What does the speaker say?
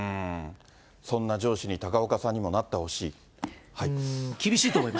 そんな上司に、高岡さんにもなってほしい。